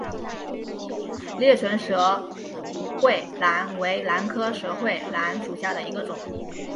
裂唇舌喙兰为兰科舌喙兰属下的一个种。